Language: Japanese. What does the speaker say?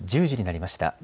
１０時になりました。